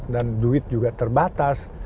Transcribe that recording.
dan duit juga terbatas